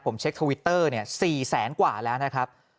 ผมเช็คทวิตเตอร์๔แสนกว่าแล้วนะครับ